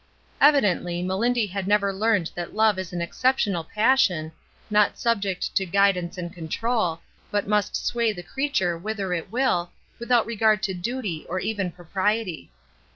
Evidently MeUndy had never learned that love is an exceptional passion, not subject to guidance and control, but must sway the creature whither it will, without regard to duty or even propriety.